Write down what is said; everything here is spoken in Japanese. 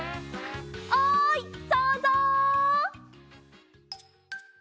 おいそうぞう！